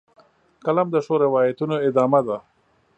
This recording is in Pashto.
قلم د ښو روایتونو ادامه ده